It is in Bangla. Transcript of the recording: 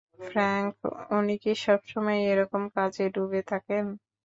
ফ্র্যাংক, উনি কি সবসময়ই এরকম কাজে ডুবে থাকেন?